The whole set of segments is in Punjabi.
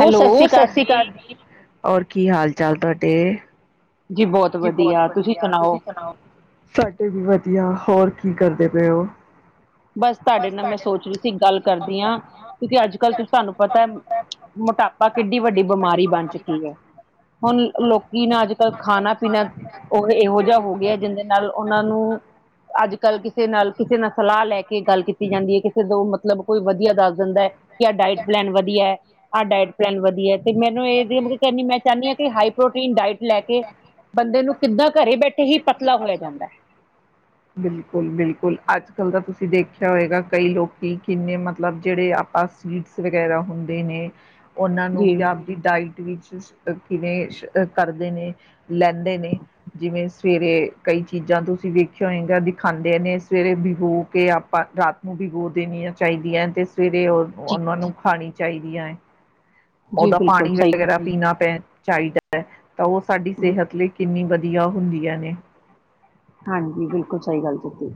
ਹੈਲੋ, ਸਤਿ ਸ੍ਰੀ ਅਕਾਲ ਜੀ, ਹੋਰ ਕੀ ਹਾਲ- ਚਾਲ, ਤੁਹਾਡੇ। ਜੀ ਬਹੁਤ ਵਧੀਆ। ਤੁਸੀਂ ਸੁਣਾਓ? ਸੁਣਾਓ। ਸਾਡੇ ਵੀ ਵਧੀਆ, ਹੋਰ ਕੀ ਕਰਦੇ ਪਏ ਉਹ? ਬਸ ਤੁਹਾਡੇ ਨਾਲ, ਮੈਂ ਸੋਚ ਰਹੀ ਸੀ, ਗੱਲ ਕਰਦੀ ਹਾਂ, ਕਿਉਂਕਿ ਅੱਜ ਕੱਲ ਤੁਹਾਨੂੰ ਪਤਾ ਮੋਟਾਪਾ ਕਿੱਡੀ ਵੱਡੀ, ਬਿਮਾਰੀ ਬਣ ਚੁੱਕੀ ਹੈ। ਹੁਣ ਲੋਕੀ ਨਾ। ਖਾਨਾ- ਪੀਨਾ, ਉਹ ਇਹੋ ਜਿਹਾ ਹੋ ਗਿਆ। ਜਿੰਹਦੇ ਨਾਲ ਉਹਨਾਂ ਨੂੰ ਅੱਜ ਕੱਲ ਕਿਸੇ ਨਾਲ, ਕਿਸੇ ਨਾਲ, ਸਲਾਹ ਲੈ ਕੇ ਹੀ, ਗੱਲ ਕੀਤੀ ਜਾਂਦੀ ਹੈ। ਕਿਸੇ ਤੋਂ ਮਤਲਬ, ਕੋਈ ਵਧੀਆ ਦੱਸ ਦਿੰਦਾ ਹੈ। ਕਿ ਆਹ ਡਾਇਟ ਪਲੈਨ ਵਧੀਆ ਹੈ। ਹਾ ਡਾਇਟ ਪਲੈਨ ਵਧੀਆ। ਤੇ ਮੈਨੂੰ ਇਹ ਕ, ਮੈਂ ਚਾਹੁੰਦੀ ਹਾਂ ਕਿ, ਹਾਈ ਪ੍ਰੋਟੀਨ ਡਾਇਟ ਲੈ ਕੇ ਬੰਦੇ ਨੂੰ ਕਿੱਦਾਂ। ਘਰੇ ਬੈਠੇ ਹੀ, ਪਤਲਾ ਹੋਇਆ ਜਾਂਦਾ ਹੈ। ਬਿਲਕੁਲ-ਬਿਲਕੁਲ। ਅੱਜ ਕੱਲ ਦਾ ਤੁਸੀਂ ਦੇਖਿਆ, ਹੋਏਗਾ ਕਈ ਲੋਕੀ, ਕਿੰਨੇ ਮਤਲਬ ਜਿਹੜੇ, ਆਪਾਂ ਸੀਡਸ ਵਗੈਰਾ ਹੁੰਦੇ ਨੇ। ਉਹਨਾਂ ਨੂੰ ਜੀ, ਵੀ, ਆਪਦੀ ਡਾਇਟ ਵਿੱਚ, ਕਿਵੇਂ ਕਰਦੇ ਨੇ ਲੈਂਦੇ ਨੇ, ਜਿਵੇਂ ਸਵੇਰੇ ਕਈ ਚੀਜ਼ਾਂ, ਤੁਸੀਂ ਵੇਖਿਆ ਹੋਏਗਾ, ਦਿਖਾਉਂਦੇ ਨੇ ਸਵੇਰੇ ਭਿਗੋ ਕੇ, ਆਪਾਂ ਰਾਤ ਨੂੰ ਭਿਗੋ, ਦੇਣੀਆਂ ਚਾਹੀਦੀਆਂ ਤੇ। ਸਵੇਰੇ ਉਹ ਜੀ, ਉਹਨਾਂ ਨੂੰ, ਖਾਣੀ ਚਾਹੀਦੀਆਂ ਹੈ। ਜੀ ਉਹਦਾ ਬਿਲਕੁਲ ਪਾਨੀ, ਸਹੀ ਵਗੈਰਾ ਪੀਨਾ ਪੈ ਚਾਹੀਦਾ ਹੈ, ਤਾਂ ਉਹ ਸਾਡੀ, ਸਿਹਤ ਲਈ ਕਿੰਨੀ ਵਧੀਆ, ਹੁੰਦੀਆਂ ਨੇ। ਹਾਂਜੀ, ਬਿਲਕੁਲ ਸਹੀ ਗੱਲ ਕੀਤੀ।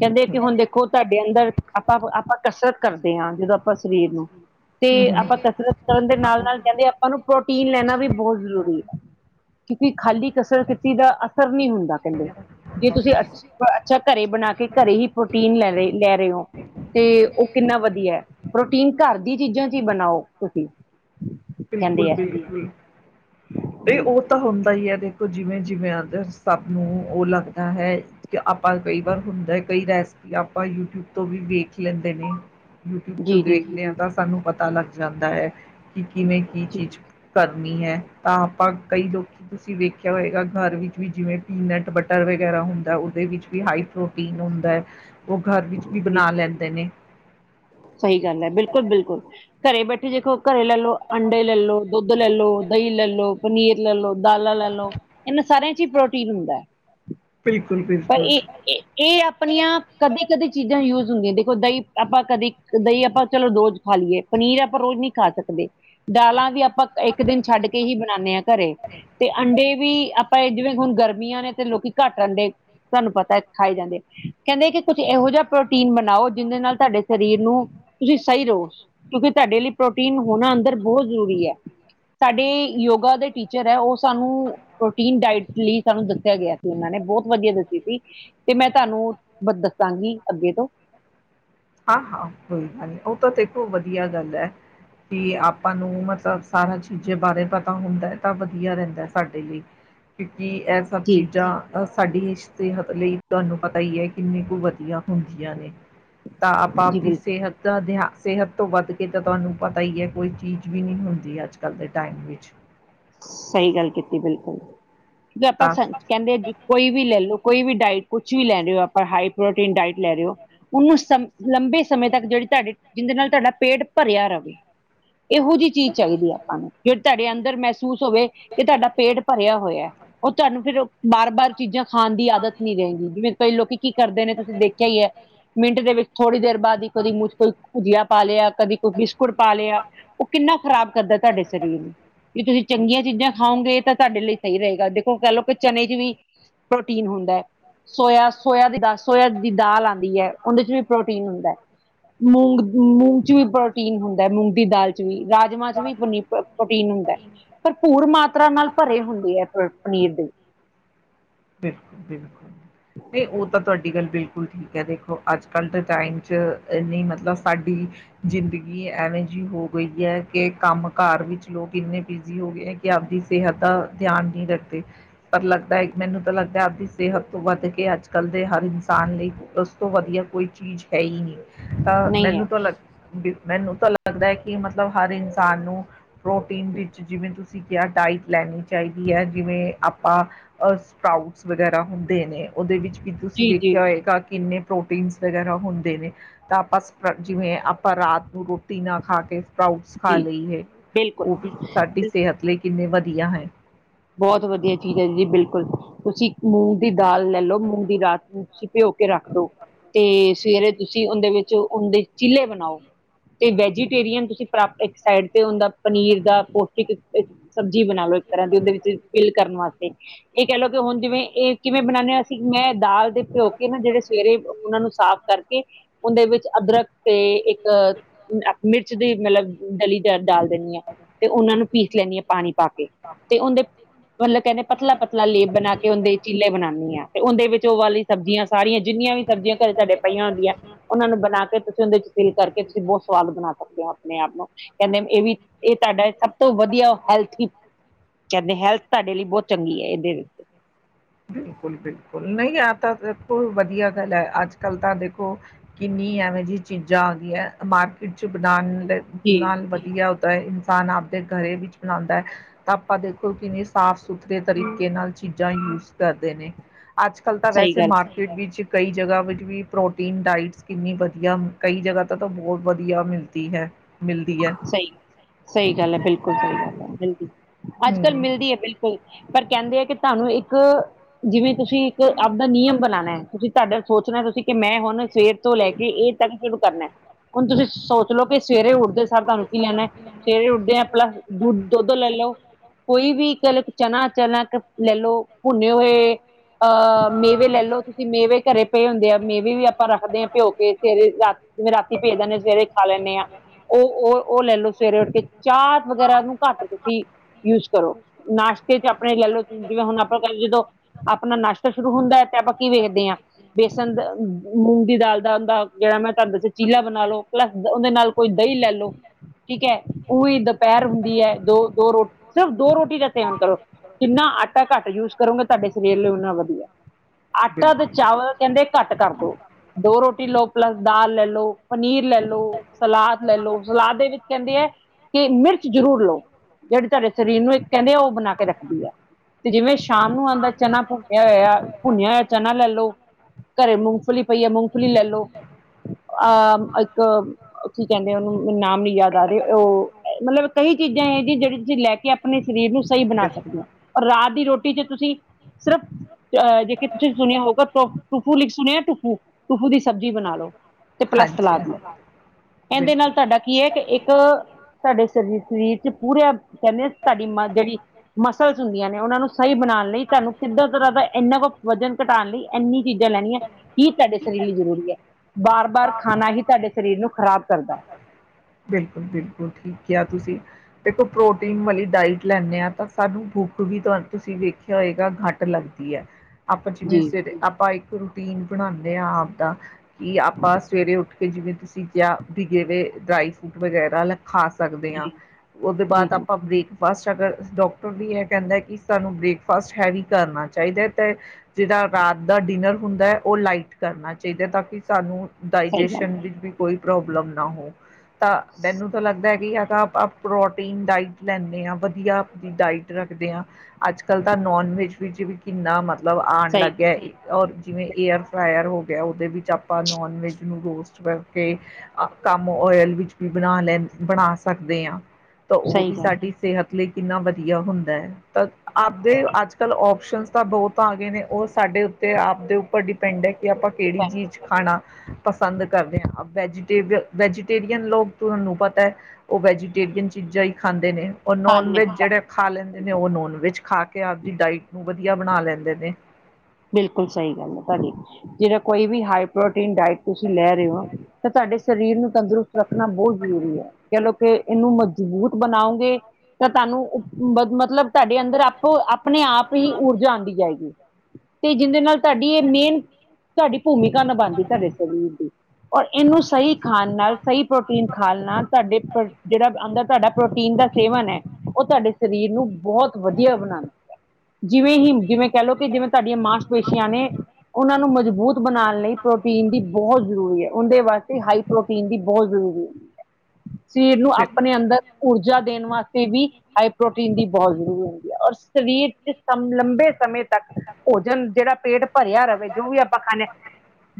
ਕਹਿੰਦੇ ਕਿ ਹੁਨ ਦੇਖੋ, ਤੁਹਾਡੇ ਅੰਦਰ ਆਪਾਂ। ਆਪਾਂ ਕਸਰਤ ਕਰਦੇ ਹਾਂ, ਜਦੋਂ ਆਪਾਂ, ਸਰੀਰ ਨੂੰ ਤੇ ਆਪਾਂ, ਕਸਰਤ ਕਰਨ ਦੇ ਨਾਲ- ਨਾਲ ਕਹਿੰਦੇ ਆਪਾਂ, ਨੂੰ ਪ੍ਰੋਟੀਨ ਲੈਨਾ ਵੀ, ਬਹੁਤ ਜ਼ਰੂਰੀ ਹੈ। ਦੇ ਕਿਉਂਕਿ ਖਾਲੀ ਕਸਰਤ, ਕੀਤੀ ਦਾ ਅਸਰ ਨਹੀ, ਹੁੰਦਾ ਕਹਿੰਦੇ। ਨਾਲ ਜੇ ਨਾਲ ਤੁਸੀ ਅੱਛਾ, ਘਰੇ ਬਨਾ ਕੇ, ਘਰੇ ਹੀ ਪ੍ਰੋਟੀਨ ਲੈ ਰਹੇ ਲੈ ਰਹੇ ਹੋ। ਤੇ ਉਹ ਕਿੰਨਾ ਵਧੀਆ। ਪ੍ਰੋਟੀਨ ਘਰ ਦੀ, ਚੀਜ਼ਾਂ ਚ ਹੀ, ਬਨਾਓ ਤੁਸੀ ਬਿਲਕੁਲ- ਬਿਲਕੁਲ ਤੇ ਜੀ, ਉਹ ਤਾਂ ਹੁੰਦਾ ਹੀ ਹੈ ਦੇਖੋ ਜਿਵੇਂ- ਜਿਵੇਂ ਆਦਰ ਸਭ ਨੂੰ ਉਹ ਲੱਗਦਾ ਹੈ। ਕਿ ਆਪਾਂ ਕਈ ਵਾਰ ਹੁੰਦਾ ਹੈ ਕਈ ਰੈਸਪੀ ਆਪਾਂ ਯੂਟਿਊਬ ਤੋਂ ਵੀ ਵੇਖ ਲੈਂਦੇ ਨੇ ਯੂਟਿਊਬ ਚ ਜੀ, ਜੀ, ਦੇਖਦੇ ਹਾਂ ਤਾਂ ਸਾਨੂੰ ਪਤਾ ਲੱਗ ਜਾਂਦਾ ਹੈ। ਕਿ ਕਿਵੇਂ ਕੀ ਜੀ, ਚੀਜ਼ ਕਰਨੀ ਹੈ ਤਾਂ ਆਪਾਂ ਕਈ ਲੋਕ ਤੁਸੀਂ ਵੇਖਿਆ ਹੋਏਗਾ, ਘਰ ਵਿੱਚ ਵੀ ਜਿਵੇਂ, ਪੀਨਟ ਬਟਰ, ਵਗੈਰਾ ਹੁੰਦਾ। ਉਹਦੇ ਵਿੱਚ ਵੀ ਹਾਈ ਫੋ ਪੀਣ ਹੁੰਦਾ ਹੈ, ਉਹ ਘਰ ਵਿੱਚ ਵੀ, ਜੀ। ਬਣਾ ਲੈਂਦੇ ਨੇ। ਸਹੀ ਗੱਲ ਹੈ ਬਿਲਕੁਲ ਬਿਲਕੁਲ ਘਰੇ ਬੈਠੇ ਦੇਖੋ ਘਰੇ ਲੈ ਲਓ ਅੰਡੇ ਲੈ ਲ ਲੋ ਦੁੱਧ ਲੈ ਲਓ ਦਹੀਂ ਲੈ ਲਓ ਪਨੀਰ ਲੈ ਲਓ ਦਾਲਾਂ ਲੈ ਲਓ ਇਹਨਾਂ ਸਾਰਿਆਂ ਚ ਹੀ ਪ੍ਰੋਟੀਨ ਹੁੰਦਾ ਹੈ। ਬਿਲਕੁਲ ਪਰ ਬਿਲਕੁਲ ਇਹ- ਇਹ ਆਪਣੀਆਂ ਕਦੇ- ਕਦੇ ਚੀਜ਼ਾਂ ਯੂਜ ਹੁੰਦੀਆਂ ਦੇਖੋ ਦਹੀਂ ਆਪਾਂ ਕਦੇ ਦਹੀਂ ਆਪਾਂ ਚਲੋ ਰੋਜ਼ ਖਾ ਲਈਏ ਪਨੀਰ ਆਪਾਂ ਰੋਜ਼ ਨਹੀਂ ਖਾ ਸਕਦੇ ਦਾਲਾਂ ਵੀ ਆਪਾਂ ਆਪਾਂ ਇੱਕ ਦਿਨ ਛੱਡ ਕੇ ਹੀ ਬਣਾਉਂਦੇ ਹਾਂ ਘਰੇ ਤੇ ਅੰਡੇ ਵੀ ਭਾਈ ਜਿਵੇਂ ਹੁਣ ਗਰਮੀਆਂ ਨੇ ਤੇ ਲੋਕੀ ਘੱਟ ਰਹਿੰਦੇ ਤੁਹਾਨੂੰ ਪਤਾ ਖਾ ਜਾਂਦੇ ਕਹਿੰਦੇ ਕਿ ਕੁਝ ਇਹੋ ਜਿਹਾ ਪ੍ਰੋਟੀਨ ਬਣਾਓ ਜਿਹਦੇ ਨਾਲ ਤੁਹਾਡੇ ਸਰੀਰ ਨੂੰ ਤੁਸੀਂ ਸਹੀ ਰਹੋ ਕਿਉਂਕਿ ਤੁਹਾਡੇ ਲਈ ਪ੍ਰੋਟੀਨ ਹੋਣਾ ਅੰਦਰ ਬਹੁਤ ਜ਼ਰੂਰੀ ਹੈ। ਸਾਡੇ ਯੋਗਾ ਦੇ ਟੀਚਰ ਹੈ ਉਹ ਸਾਨੂੰ ਰੋਟੀਨ ਡਾਇਟ ਲਈ ਸਾਨੂੰ ਦੱਸਿਆ ਗਿਆ ਸੀ ਉਹਨਾਂ ਨੇ ਬਹੁਤ ਵਧੀਆ ਦੱਸੀ ਸੀ ਤੇ ਮੈਂ ਤੁਹਾਨੂੰ ਦੱਸਾਂਗੀ ਅੱਗੇ ਤੋਂ ਹਾਂ -ਹਾਂ ਕੋਈ ਗੱਲ ਨਹੀਂ ਉਹ ਤਾਂ ਦੇਖੋ ਵਧੀਆ ਗੱਲ ਹੈ। ਕਿ ਆਪਾਂ ਨੂੰ ਮਤਲਬ ਸਾਰਾ ਚੀਜ਼ੇ ਬਾਰੇ ਪਤਾ ਹੁੰਦਾ ਹੈ ਤਾਂ ਵਧੀਆ ਰਹਿੰਦਾ ਸਾਡੇ ਲਈ। ਕਿਉਂਕਿ ਇਸ ਸਭ ਜੀ ਚੀਜ਼ਾਂ ਸਾਡੀ ਸਿਹਤ ਲਈ ਤੁਹਾਨੂੰ ਪਤਾ ਹੀ ਹੈ ਕਿੰਨੀ ਕੁਛ ਵਧੀਆ ਹੁੰਦੀਆਂ ਨੇ ਤਾਂ ਆਪਾਂ ਆਪ ਜੀ ਦੀ ਬਿਲਕੁਲ ਸਿਹਤ ਤਾਂ ਹਾ ਸਿਹਤ ਤੋਂ ਵੱਧ ਕੇ ਤਾਂ ਤੁਹਾਨੂੰ ਪਤਾ ਹੀ ਹੈ ਕੋਈ ਚੀਜ਼ ਵੀ ਨਹੀਂ ਹੁੰਦੀ ਅੱਜ ਕੱਲ ਦੇ ਟਾਈਮ ਵਿੱਚ ਸਹੀ ਗੱਲ ਕੀਤੀ ਬਿਲਕੁਲ ਆਪਾਂ ਕਹਿੰਦੇ ਕੋਈ ਵੀ ਲੈ ਲਓ ਕੋਈ ਵੀ ਡਾਇਟ ਕੁਛ ਵੀ ਲੈ ਰਹੇ ਹੋ ਆਪਾਂ ਹਾਈ ਪ੍ਰੋਟੀਨ ਡਾਇਟ ਲੈ ਰਹੇ ਹੋ ਉਹਨੂੰ ਸ ਲੰਬੇ ਸਮੇਂ ਤੱਕ ਜਿਹੜੀ ਤੁਹਾਡੇ ਜਿਹਦੇ ਨਾਲ ਤੁਹਾਡਾ ਪੇਟ ਭਰਿਆ ਤਾਂ ਰਹੇ ਇਹੋ ਜਿਹੀ ਚੀਜ਼ ਚਾਹੀਦੀ ਆਪਾਂ ਨੂੰ ਜਿਹੜੇ ਤੁਹਾਡੇ ਅੰਦਰ ਮੈ ਹੋਵੇ ਕਿ ਤੁਹਾਡਾ ਪੇਟ ਭਰਿਆ ਹੋਇਆ ਉਹ ਤੁਹਾਨੂੰ ਫਿਰ ਬਾਰ- ਬਾਰ ਚੀਜ਼ਾਂ ਖਾਣ ਦੀ ਆਦਤ ਨਹੀਂ ਰਵਣਗੀ ਜਿਵੇਂ ਕਈ ਲੋਕੀ ਕੀ ਕਰਦੇ ਨੇ ਤੁਸੀਂ ਦੇਖਿਆ ਹੀ ਹੈ ਮਿੰਟ ਦੇ ਵਿੱਚ ਥੋੜੀ ਦੇਰ ਬਾਅਦ ਹੀ ਕਦੀ ਮੁਚ ਕੋਈ ਭੁਜੀਆ ਪਾ ਲਿਆ ਕਦੀ ਕੋਈ ਬਿਸਕੁਟ ਪਾ ਲਿਆ ਉਹ ਕਿੰਨਾ ਖਰਾਬ ਕਰਦਾ ਤੁਹਾਡੇ ਸਰੀਰ ਨੂੰ ਤੁਸੀਂ ਚੰਗੀਆਂ ਚੀਜ਼ਾਂ ਖਾਓਗੇ ਤਾਂ ਤੁਹਾਡੇ ਲਈ ਸਹੀ ਰਹੇਗਾ ਦੇਖੋ ਕਹਿ ਲਓ ਕਿ ਚਨੇ ਚ ਵੀ ਪ੍ਰੋਟੀਨ ਹੁੰਦਾ ਹੈ ਸੋਇਆ ਸੋਇਆ ਦੀ ਦਾ ਸੋਇਆ ਦੀ ਦਾਲ ਆਉਂਦੀ ਹੈ ਉਹਦੇ ਚ ਵੀ ਪ੍ਰੋਟੀਨ ਹੁੰਦਾ। ਮੂੰਗ ਮੂੰਗ ਚ ਵੀ ਪ੍ਰੋਟੀਨ ਹੁੰਦਾ ਮੂੰਗ ਦੀ ਦਾਲ ਚ ਵੀ ਰਾਜਮਾਂ ਚ ਵੀ ਨੀ ਪ੍ਰੋਟੀਨ ਹੁੰਦਾ। ਭੂਰ ਬਿਲਕੁਲ ਮਾਤਰਾ ਨਾਲ ਭਰੇ ਹੁੰਦੇ ਹੈ ਪਨੀਰ ਦੇ। ਬਿਲਕੁਲ -ਬਿਲਕੁਲ। ਨਹੀਂ ਉਹ ਤਾਂ ਤੁਹਾਡੀ ਗੱਲ ਬਿਲਕੁਲ ਠੀਕ ਹੈ ਦੇਖੋ ਅੱਜ ਕੱਲ੍ਹ ਦੇ ਟਾਈਮ ਚ ਇੰਨੀ ਮਤਲਬ ਸਾਢੀ ਜ਼ਿੰਦਗੀ ਐਵੇਂ ਜਿਹੀ ਹੋ ਗਈ ਹੈ ਕਿ ਕੰਮ ਕਾਰਲ ਵਿੱਚ ਲੋਕ ਇੰਨੇ ਬਿਜ਼ੀ ਹੋ ਗਏ ਹੈਕੇ ਕਿ ਆਪਦੀ ਸਿਹਤ ਦਾ ਧਿਆਨ ਨਹੀਂ ਰੱਖਦੇ ਪਰ ਲੱਗਦਾ ਮੈਨੂੰ ਤਾਂ ਲੱਗਦਾ ਆਪਦੀ ਸਿਹਤ ਤੋਂ ਵੱਧ ਕੇ ਅੱਜ ਕੱਲ੍ਹ ਦੇ ਹਰ ਇਨਸਾਨ ਲਈ ਤੋਂ ਵਧੀਆ ਕੋਈ ਚੀਜ਼ ਹੈ ਹੀ ਨਹੀਂ ਤਾਂ ਨਹੀਂ ਹੈ ਮੈਨੂੰ ਤਾਂ ਲੱਗ ਮੈਨੂੰ ਤਾਂ ਲੱਗਦਾ ਹੈ ਕਿ ਮਤਲਬ ਹਰ ਇਨਸਾਨ ਨੂੰ ਪ੍ਰੋਟੀਨ ਵਿੱਚ ਜਿਵੇਂ ਤੁਸੀਂ ਕਿਹਾ ਡਾਇਟ ਲੈਣੀ ਚਾਹੀਦੀ ਹੈ ਜਿਵੇਂ ਆਪਾਂ ਆ ਸਪਰਾਊਟਸ ਵਗੈਰਾ ਹੁੰਦੇ ਨੇ ਉਹਦੇ ਵਿੱਚ ਵੀ। ਤੁਸੀਂ ਜੀ ਜੀ ਦੇਖਿਆ ਹੋਏਗਾ ਕਿੰਨੇ ਪ੍ਰੋਟੀਨ ਵਗੈਰਾ ਹੁੰਦੇ ਨੇ ਤਾਂ ਆਪਾਂ ਜਿਵੇਂ ਆਪਾਂ ਰਾਤ ਨੂੰ ਰੋਟੀ ਨਾ ਖਾ ਕੇ ਸਪਰਾਊਟਸ ਖਾ ਜੀ ਲਈ ਹੈ, ਉਹ ਵੀ ਬਿਲਕੁਲ ਸਾਡੀ ਸਿਹਤ ਲਈ ਕਿੰਨੀ ਵਧੀਆ ਹੈ। ਬਹੁਤ ਵਧੀਆ ਚੀਜ਼ ਹੈ, ਜੀ ਬਿਲਕੁਲ ਤੁਸੀਂ ਮੂੰਗ ਦੀ ਦਾਲ ਲੈ ਲਓ ਮੂੰਗ ਦੀ ਰਾਤ ਨੂੰ ਭਿਓ ਕੇ ਰੱਖ ਦੋ ਤੇ ਸਵੇਰੇ ਤੁਸੀਂ ਉਹਦੇ ਵਿੱਚ ਉਹਦੇ ਚੀਲੇ ਬਣਾਓ। ਤੇ ਵੈਜੀਟੇਰੀਅਨ ਤੁਸੀਂ ਇੱਕ ਸਾਈਡ ਤੇ ਹੁੰਦਾ ਪਨੀਰ ਦਾ ਪੋਸ਼ਟਿਕ ਸਬਜ਼ੀ ਬਣਾ ਲੋ, ਇੱਕ ਤਰ੍ਹਾਂ ਦੀ ਉਹਦੇ ਵਿੱਚ ਪਿਲ ਕਰ ਵਾਸਤੇ, ਇਹ ਕਹਿ ਲਓ ਕਿ ਹੁਣ ਜਿਵੇਂ ਇਹ ਕਿਵੇਂ ਬਣਾਨੇ ਆ ਅਸੀਂ ਮੈਂ ਦਾਲ ਦੇ ਭਿਓ ਕੇ ਨਾ ਜਿਹੜੇ ਸਵੇਰੇ ਉਹਨਾਂ ਨੂੰ ਸਾਫ਼ ਕਰਕੇ ਉਹਦੇ ਵਿੱਚ ਅਦਰਕ ਤੇ, ਅਹ ਮਿਰਚ ਦੀ ਮਤਲਬ ਦਲੀ ਡਾਲ ਦਿੰਦੀ ਹਾਂ ਤੇ ਉਹਨਾਂ ਨੂੰ ਪੀਸ ਲੈਂਦੀ ਹਾਂ, ਪਾਣੀ ਪਾ ਕੇ ਤੇ ਉਹਦੇ ਮਤਲਬ ਕਹਿੰਦੇ ਪਤਲਾ ਪਲਾ ਲੇਪ ਬਣਾ ਕੇ ਉਹਦੇ ਚੀਲੇ ਬਣਾਦੀ ਹਾਂ ਤੇ ਉਹਦੇ ਵਿੱਚ ਉਹ ਵਾਲੀ ਸਬਜ਼ੀਆਂ ਸਾਰੀਆਂ ਜਿੰਨੀਆਂ ਵੀ ਸਬਜ਼ੀਆਂ ਕਦੇ ਤੁਹਾਡੇ ਪਈਆਂ ਹੁੰਦੀਆਂ, ਉਹਨਾਂ ਨੂੰ ਬਣਾ ਕੇ ਤੁਸੀਂ ਉਹਦੇ ਚ ਫਿੱਲ ਕਰਕੇ ਤੁਸੀਂ ਬਹੁਤ ਸਵਾਦ ਬਣਾ ਸਕਦੇ ਹੋ, ਆਪਣੇ ਆਪ ਨੂੰ ਕਹਿੰਦੇ ਇਹ ਵੀ ਇਹ ਤੁਹਾਡਾ ਤੋਂ ਵਧੀਆ ਉਹ ਹੈਲਥ ਹੀ ਕਹਿੰਦੇ, ਹੈਲਥ ਤੁਹਾਡੇ ਲਈ ਬਹੁਤ ਚੰਗੀ ਹੈ ਇਹਦੇ, ਬਿਲਕੁਲ, ਬਿਲਕੁਲ, ਨਹੀਂ ਆ ਤਾਂ ਦੇਖੋ ਵਧੀਆ ਗੱਲ ਹੈ ਅੱਜ ਕੱਲ ਤਾਂ ਦੇਖੋ। ਕਿੰਨੀ ਐਵੇਂ ਜਿਹੀ ਚੀਜ਼ਾਂ ਆਦੀਆਂ ਮਾਰਕੀਟ ਚ ਬਣਾਣ ਲੋ ਜੀ ਨਾਲ ਵਧੀਆ, ਇਨਸਾਨ ਆਪਦੇ ਘਰੇ ਵਿੱਚ ਬਣਾਦਾ ਹੈ। ਤਾਂ ਆਪਾਂ ਦੇਖੋ ਕਿੰਨੀ ਸਾਫ਼ ਸੁਥਰੇ ਤਰੀਕੇ ਨਾਲ ਚੀਜ਼ਾਂ ਯੂਜ ਕਰਦੇ ਨੇ ਅੱਜ-ਕੱਲ ਤਾਂ ਸਹੀ ਵੈਸੇ ਗੱਲ ਮਾਰ ਵਿੱਚ ਕਈ ਜਗ੍ਹਾ ਵਿੱਚ ਵੀ ਪ੍ਰੋਟੀਨ ਡਾਇਟਸ ਕਿੰਨੀ ਵਧੀਆ, ਕਈ ਜਗ੍ਹਾ ਤਾਂ ਤਾਂ ਬਹੁਤ ਵਧੀਆ ਮਿਲਦੀ। ਹੈ ਮਿਲਦੀ ਹੈ। ਸਹੀ ਸਹੀ ਗੱਲ ਹੈ, ਬਿਲਕੁਲ ਸਹੀ ਗੱਲ ਹੈ ਬਿਲਕਲ ਅੱਜ-ਕੱਲ ਹਮ ਮਿਲਦੀ ਹੈ ਬਿਲਕੁਲ। ਪਰ ਕਹਿੰਦੇ ਆ ਕਿ ਤੁਹਾਨੂੰ ਇੱਕ ਜਿਵੇਂ, ਤੁਸੀਂ ਇੱਕ ਆਪਦਾ ਨਿਯਮ ਬਣਾਣਾ, ਤੁਸੀਂ ਤੁਹਾਡਾ ਸੋਚਣਾ ਤੁਸੀਂ ਕਿ ਮੈਂ ਹੁਣ ਸਵੇਰ ਤੋਂ ਲੈ ਕੇ ਇਹ ਤੱਕ ਸ਼ੁਰੂ ਕਰਨਾ ਹੁਣ ਤੁਸੀਂ ਸੋਚ ਲਓ ਕਿ ਸਵੇਰੇ ਉੱਠਦੇ। ਤੁਹਾਨ ਰੁਕੀ ਲੈਣਾ ਸਵੇਰੇ ਉੱਠਦੇ ਐ ਪਹਿਲਾ ਦੁੱਧ ਦੁੱਧ ਲੈ ਲਓ। ਕੋਈ ਵੀ ਕਹਿ ਲਓ ਚਨਾ ਚਨਾ ਲੈਲੋ ਭੁੰਨੇ ਹੋਏ। ਅਹ ਮੇਵੇ ਲੈ ਲਓ, ਤੁਸੀਂ ਮੇਵੇ ਘਰੇ ਪਏ ਹੁੰਦੇ ਆ ਮੇਵੇ ਵੀ ਆਪਾਂ ਰੱਖਦੇ ਹਾਂ ਭਿਓ ਕੇ ਸਵੇਰੇ ਰਾ। ਜਿਵੇਂ ਰਾਤੀ ਪਿਊ ਲੋ ਦਿਨੇ ਆ ਸਵੇਰੇ ਖਾ ਲੈਂਦੇ ਹਾਂ। ਉਹ ਉਹ ਲੈ ਲਓ, ਸਵੇਰੇ ਉੱਠ ਕੇ ਚਾਹ ਵਗੈਰਾ ਉਹਨੂੰ ਘੱਟ ਤੁਸੀਂ ਯੂਜ ਕਰੋ ਨਾਸ਼ਤੇ ਚ ਆਪਣੇ ਲੈ ਲਓ, ਜਿਵੇਂ ਹੁਣ ਆਪਾਂ ਕਰ ਜਦੋਂ। ਆਪਣਾ ਨਾਸ਼ਤਾ ਸ਼ੁਰੂ ਹੁੰਦਾ ਹੈ, ਤੇ ਆਪਾਂ ਕੀ ਵੇਖਦੇ ਹਾਂ। ਬੇਸਣ ਮੂੰਗ ਦੀ ਦਾਲ ਦਾ ਹੁੰਦਾ ਜਿਹੜਾ ਮੈਂ ਤੁੰਦ ਚ ਚੀਲਾ ਬਣਾ ਲੋ, ਪਲੱਸ ਉਹਦੇ ਨਾਲ ਕੋਈ ਦਹੀਂ ਲੈ ਲਓ। ਠੀਕ ਹੈ ਉਹੀ ਦੁਪਹਿਰ ਹੁੰਦੀ ਹੈ, ਦੋ ਦੋ ਰੋ ਸਿਰਫ ਦੋ ਰੋਟੀ ਦਾ ਸੇਵਨ ਕਰੋ। ਕਿੰਨਾ ਆਟਾ ਘੱਟ ਯੂਜ ਕਰੂੰਗੇ, ਤੁਹਾਡੇ ਸਰੀਰ ਲਈ ਉਨਾ ਵਧੀਆ ਆਟਾ ਤੇ ਚਾਵਲ। ਕਹਿੰਦੇ ਘੱਟ ਕਰਦੋ ਦੋ ਰੋਟੀ ਲਓ, ਪਲੱਸ ਦਾਲ ਲੈ ਲਓ, ਪਨੀਰ ਲੈ ਲਓ ਸਲਾਦ। ਲੈ ਲਓ ਸਲਾਦ ਦੇ ਵਿੱਚ ਕਹਿੰਦੇ ਹੈ, ਕਿ ਮਿਰਚ ਜ਼ਰੂਰ ਲਓ। ਜਿਹੜੀ ਤੁਹਾਡੇ ਸਰੀਰ ਨੂੰ ਇੱਕ ਕਹਿੰਦੇ, ਆ ਉਹ ਬਣਾ ਕੇ ਰੱਖਦੀ ਹੈ। ਤੇ ਜਿਵੇਂ ਸ਼ਾਮ ਨੂੰ ਆਦਾ ਚਨਾ ਭੁੰਨਆ ਹੋਇਆ, ਭੁੰਨਿਆ ਹੋਇਆ ਚਨਾ ਲੈ ਲਓ। ਘਰੇ ਮੂੰਗਫਲੀ ਪਈ ਆ ਮੂੰਗਫਲੀ ਲੈਲੋ ਅਹ ਇੱਕ ਸੀ ਕਹਿੰਦੇ ਉਹਨੂੰ ਨਾਮ ਨੀ ਯਾਦ ਆ ਰਹੀ, ਉਹ ਮਤਲਬ ਕਈ ਚੀਜ਼ਾਂ ਇਹ ਜੀ ਜਿਹੜੀ ਲੈ ਕੇ ਆਪ ਆਪਣੇ ਸਰੀਰ ਨੂੰ ਸਹੀ ਬਣਾ ਸਕਦੇ ਹੋ, ਔਰ ਰਾਤ ਦੀ ਰੋਟੀ ਚ ਤੁਸੀਂ ਸਿਰਫ ਅ ਜੇ ਤੁਸੀਂ ਸੁਣਿਆ ਹੋਊਗਾ, ਟੂਫੂ ਲਿਖ ਸੁਣਿਆ ਟੂਫੂ ਟੂਫੂ ਦੀ ਸਬਜ਼ੀ ਬਣਾ ਲੋ। ਤੇ ਪਲੱਸ ਹਾਂਜੀ ਸਲਾਦ ਲੇ ਲਓ ਇਹਦੇ ਨਾਲ ਬਿਲਕੁਲ ਤੁਹਾਡਾ ਕੀ ਹੈ, ਕਿ ਇੱਕ ਤੁਹਾਡੇ ਸਰੀਰ ਸਰੀਰ ਚ ਪੂਰੀ, ਕਹਿੰਦੇ ਸਾਡੀ ਮਸਲ ਜਿਹੜੀ, ਮਸਲਸ ਹੁੰਦੀਆਂ ਨੇ ਉਹਨਾਂ ਨੂੰ ਸਹੀ ਬਣਾਣ ਲਈ ਤੁਹਾਨੂੰ ਸਿੱਧਾ ਤਰ੍ਹਾਂ ਦਾ ਇੰਨਾ ਕੁ ਵਜ਼ਨ ਘਟਾਣ ਲਈ ਇੰਨੀ ਚੀਜ਼ਾਂ ਲੈਣੀਆਂ, ਕੀ ਸਾਡੇ ਸਰੀਰ ਲਈ ਜ਼ਰੂਰੀ ਹੈ। ਬਾਰ, ਬਾਰ ਖਾਣਾ ਹੀ ਤੁਹਾਡੇ ਸਰੀਰ ਨੂੰ ਖਰਾਬ- ਬਿਲਕੁਲ-ਬਿਲਕੁਲ ਠੀਕ ਕਿਹਾ ਤੁਸੀਂ। ਦੇਖੋ ਪ੍ਰੋਟੀਨ ਵਾਲੀ ਡਾਇਟ ਲੈਂਦੇ, ਹਾਂ ਤਾਂ ਸਾਨੂੰ ਭੁੱਖ ਵੀ ਤੁਸੀਂ ਵੇਖ ਹੋਏਗਾ ਘਟ ਲੱਗਦੀ ਏ। ਆਪਾਂ ਜਿਵੇਂ ਜੀ ਸਵੇਰੇ ਆਪਾਂ ਇੱਕ ਰੂਟੀਨ ਬਣਾਂਦੇ ਆਂ ਆਪ ਦਾ ਕਿ ਆ ਆਪਾਂ ਸਵੇਰੇ ਉੱਠ ਕੇ ਜਿਵੇਂ ਤੁਸੀਂ ਚਾਅ, ਪੀ ਗੇਵੇ ਡਰਾਈ ਫਰੂਟ ਵਗੈਰਾ ਲੇਣ ਖਾ ਸਕਦੇ ਆਂ, ਜੀ ਉਹਦੇ ਜੀ ਬਾਅਦ ਜੀ ਆਪਾਂ ਬਰੇਕ ਫਾਸਟ ਅਗਰ ਡਾਕਟਰ ਵੀ ਇਹ ਕਹਿੰਦਾ ਕਿ ਸਾਨੂੰ ਬ੍ਰੇਕਫਾਸਟ ਹੈਵੀ ਕਰਨਾ ਚਾਹੀਦਾ ਤੇ ਜਿਹੜਾ ਰਾਤ ਦਾ ਡਿਨਰ ਹੁੰਦਾ, ਉਹ ਲਾਈਟ ਕਰਨਾ ਚਾਹੀਦਾ ਤਾਂ ਕਿ ਸਾਨੂੰ ਸਹੀ ਗੱਲ ਡਾਇਜੇਸ਼ਨ ਵਿੱਚ ਵੀ ਕੋਈ ਪ੍ਰੋਬਲਮ ਨਾਂ ਹੋ, ਤਾਂ ਮੈਨੂੰ ਤਾਂ ਲੱਗਦਾ ਏ ਕਿ ਐਸਾ ਆਪਾਂ ਆਪ ਪ੍ਰੋਟੀਨ ਡਾਇਟ ਲੈਂਣੇ ਆ, ਵਧੀਆ ਆਪ ਦੀ ਡਾਇਟ ਰੱਖਦੇ ਆਂ। ਅੱਜ-ਕੱਲ ਦਾ ਨੋਨ ਵੈਜ ਵਿੱਚ ਵੀ ਕਿੰਨਾ ਮਤ ਮਤਲਬ ਆਉਣ ਸਹੀ ਲੱਗ ਗਿਆ, ਔਰ ਜਿਵੇਂ ਕਿ ਏਅਰ ਫਰਾਇਰ ਹੋ ਗਿਆ, ਉਹਦੇ ਵਿੱਚ ਆਪਾਂ ਨੋਨ ਵੈਜ ਉਹਨੂੰ ਰੋਸਟ ਕਰ ਕੇ ਅ ਕਮ ਓਇਲ ਵਿੱਚ ਵੀ ਬਣਾ ਲੈਂ, ਬਣਾ ਸਕਦੇ ਆਂ ਤਾਂ ਉਹ ਸਹੀ ਵੀ ਗੱਲ ਸਾਡੀ ਸਿਹਤ ਲਈ ਕਿੰਨਾ ਵਧੀਆ ਹੁੰਦਾ ਏ। ਆਪਦੇ ਅੱਜ-ਕੱਲ੍ਹ ਓਪਸ਼ਨਸ ਤਾਂ ਬਹੁਤ ਆ ਗਏ ਨੇਂ ਉਹ ਸਾਡੇ ਉੱਤੇ ਆਪਦੇ ਉ ਉੱਪਰ ਡਿਪੈਂਡ ਏ ਕਿ ਆਪਾਂ ਕਿਹੜੀ ਚੀਜ਼ ਖਾਣਾ ਪਸੰਦ ਕਰਦੇ ਹਾਂ। ਅ ਵੈਜੀਟੇਵੀਅਰ ਵੈਜੀਟੇਰੀਅਨ ਲੋਕ ਤੁਹਾਨੂੰ ਪਤਾ ਏ ਉਹ ਵੈਜੀਟੇਰੀਅਨ ਚੀਜ਼ਾਂ ਈ ਖਾਂਦੇ ਨੇਂ। ਉਹ ਨੋਨ ਖਾਣ ਨੇ ਵੈਜ ਪੀਤਾ ਜਿਹੜੇ ਖਾ ਲੈਂਦੇ ਨੇਂ, ਉਹ ਨੋਨ ਵੈਜ ਖਾ ਕੇ ਆਪਦੀ ਡਾਇਟ ਨੂੰ ਵਧੀਆ ਬਣਾ ਲੈਂਦੇ ਨੇਂ। ਬਿਲਕੁਲ ਸਹੀ ਗੱਲ ਐ ਤੁਹਾਡੀ। ਜਿਹੜਾ ਕੋਈ ਵੀ ਹਾਈ ਪ੍ਰੋਟੀਨ ਡਾਇਟ ਤੁਸੀਂ ਲੈ ਰਹੇ ਹੋ ਤਾਂ ਤੁਹਾਡੇ ਸਰੀਰ ਨੂੰ ਤੰਦਰੁਸਤ ਰੱਖਣਾ ਬਹੁਤ ਜ਼ਰੂਰੀ ਐ, ਕਹਿ ਲਓ ਤੇ ਇਹਨੂੰ ਮਜ਼ਬੂਤ ਬਣਾਓਗੇ ਤਾਂ ਤਹਾਨੂੰ ਉ ਮਤ ਮਤਲਬ ਤੁਹਾਡੇ ਅੰਦਰ ਆਪੋ ਆਪਣੇ ਆਪ ਹੀ ਊਰਜਾ ਆਂਦੀ ਜਾਏਗੀ। ਤੇ ਜਿਹਦੇ ਨਾਲ ਤੁਹਾਡੀ ਇਹ ਮੇਨ ਤੁਹਾਡੀ ਭੂਮਿਕਾ ਨਿਭਾਉਂਦੀ ਤੁਹਾਡੇ ਸਰੀਰ ਦੀ ਔਰ ਇਹਨੂੰ ਸਹੀ ਖਾਣ ਨਾਲ ਸਹੀ ਪ੍ਰੋਟੀਨ ਖਾਣ ਨਾਲ ਤੁਹਾਡੇ ਪ੍ ਜਿਹੜਾ ਅੰਦਰ ਤੁਹਾਡਾ ਪ੍ਰੋਟੀਨ ਦਾ ਸੇਵਨ ਏ ਉਹ ਤੁਹਾਡੇ ਸਰੀਰ ਨੂੰ ਬਹੁਤ ਵਧੀਆ ਬਣਾਂਣਾ, ਜਿਵੇਂ ਹੀ ਜਿਵੇਂ ਕਹਿ ਲਓ ਕਿ ਜਿਵੇਂ ਮਾਸ ਪੇਸ਼ੀਆਂ ਨੇਂ, ਉਹਨਾਂ ਨੂੰ ਮਜ਼ਬੂਤ ਬਣਾਉਣ ਲਈ ਪ੍ਰੋਟੀਨ ਦੀ ਬਹੁਤ ਜ਼ਰੂਰੀ ਹੈ ਉੰਦੇ ਵਾਸਤੇ ਤੇ ਹਾਈ ਪ੍ਰੋਟੀਨ ਦੀ ਬਹੁਤ ਜ਼ਰੂਰੀ ਏ, ਸਰੀਰ ਨੂੰ ਫਿਰ ਆਪਣੇ ਅੰਦਰ ਊਰਜਾ ਦੇਣ ਵਾਸਤੇ ਵੀ ਹਾਈ ਪ੍ਰੋਟੀਨ ਦੀ ਬਹੁਤ ਜ਼ਰੂਰੀ ਹੁੰਦੀ ਹੈ, ਔਰ ਸਰੀਰ ਚ ਸਮ ਲੰਬੇ ਸਮੇਂ ਤੱਕ ਭੋਜਨ ਜਿਹੜਾ ਪੇਟ ਭਰਿਆ ਰਵੇ, ਜੋ ਵੀ ਆਪਾਂ ਖਾਂਣੇ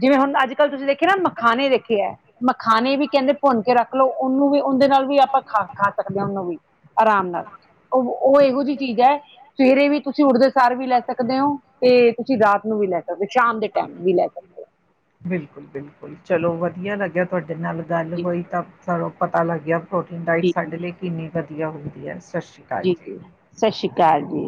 ਜਿਵੇਂ ਹੁਣ ਅੱਜ-ਕੱਲ ਤੁਸੀਂ ਦੇਖਿਆ ਨਾਂ ਮਖਾਣੇ ਵੇਖੇ ਏ। ਮਖਾਣੇ ਵੀ ਕਹਿੰਦੇ ਭੁੰਨ ਕੇ ਰੱਖ ਲਓ ਉਹਨੂੰ ਵੀ ਉਹਦੇਂ ਨਾਲ ਵੀ ਆਪਾਂ ਖਾ ਖਾ ਸਕਦੇ ਆਂ ਉਹਨੂੰ ਵੀ ਆਰਾਮ ਨਾਲ ਉਹ ਉਹ ਇਹੋ ਜਿਹੀ ਚੀਜ਼ ਐ, ਸਵੇਰੇ ਵੀ ਤੁਸੀਂ ਉੱਠਦੇ ਸਾਰ ਵੀ ਲੈ ਸਕਦੇ ਔਂ। ਤੇ ਤੁਸੀਂ ਰਾਤ ਨੂੰ ਵੀ ਲੈ ਸਕਦੇ, ਸ਼ਾਮ ਦੇ ਟਾਈਮ ਵੀ ਲੈ ਸਕਦੇ। ਹੋ ਬਿਲਕੁਲ ਬਿਲਕੁਲ, ਚਲੋ ਵਧੀਆ ਲੱਗਿਆ ਤੁਹਾਡੇ ਨਾਲ ਗੱਲ ਜੀ ਹੋਈ ਤਾਂ ਸਾਨੂੰ ਪਤਾ ਲੱਗਿਆ ਪ੍ਰੋਟੀਨ ਡਾਇਟ ਜੀ ਸਾਡੇ ਲਈ ਕਿੰਨੀ ਵਧੀਆ ਹੁੰਦੀ ਐ, ਸਤਿ ਸ਼੍ਰੀ ਅਕਾਲ। ਜੀ, ਸਤਿ ਸ੍ਰੀ ਅਕਾਲ ਜੀ।